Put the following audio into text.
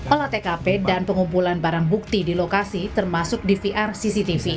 olah tkp dan pengumpulan barang bukti di lokasi termasuk dvr cctv